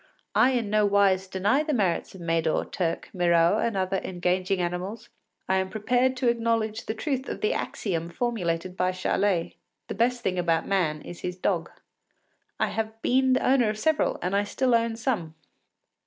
I in no wise deny the merits of Médor, Turk, Miraut, and other engaging animals, and I am prepared to acknowledge the truth of the axiom formulated by Charlet, “The best thing about man is his dog.” I have been the owner of several, and I still own some.